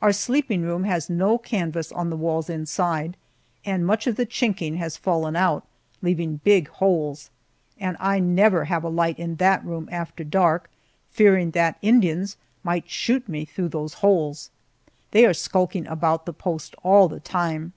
Our sleeping room has no canvas on the walls inside, and much of the chinking has fallen out, leaving big holes, and I never have a light in that room after dark, fearing that Indians might shoot me through those holes. They are skulking about the post all the time.